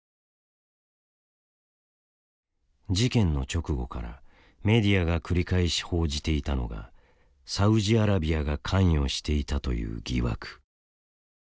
事件の直後からメディアが繰り返し報じていたのがサウジアラビアが関与していたという疑惑。